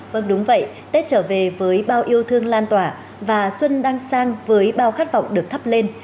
vâng đúng vậy tết trở về với bao yêu thương lan tỏa và xuân đang sang với bao khát vọng được thắp lên